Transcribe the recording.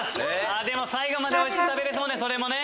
あでも最後までおいしく食べれそうねそれもね。